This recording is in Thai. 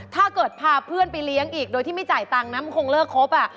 ถ้าเกิดพาเพื่อนไปเลี้ยงอีกโดยที่ไม่จ่ายตังค์นะมันคงเลิกครบ